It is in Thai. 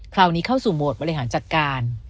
คราวนี้เข้าสู่โหมดบริหารจัดการ